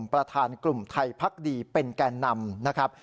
ประธานกลุ่มไทยพักดีเป็นแก่นำนะครับ